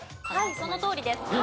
はいそのとおりです。